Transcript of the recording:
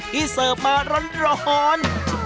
เสิร์ฟมาร้อน